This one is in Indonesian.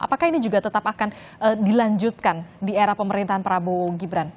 apakah ini juga tetap akan dilanjutkan di era pemerintahan prabowo gibran